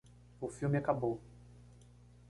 O filme acabou